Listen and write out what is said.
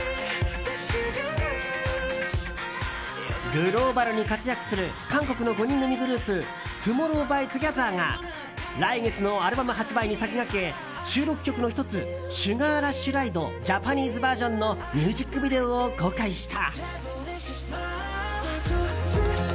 グローバルに活躍する韓国の５人組グループＴＯＭＯＲＲＯＷＸＴＯＧＥＴＨＥＲが来月のアルバム発売に先駆け収録曲の１つ「ＳｕｇａｒＲｕｓｈＲｉｄｅ」ジャパニーズバージョンのミュージックビデオを公開した。